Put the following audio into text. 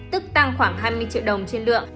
tức tăng khoảng hai mươi triệu đồng trên lượng